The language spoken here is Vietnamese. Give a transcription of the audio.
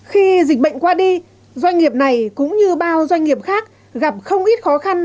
khi dịch bệnh qua đi doanh nghiệp này cũng như bao doanh nghiệp khác gặp không ít khó khăn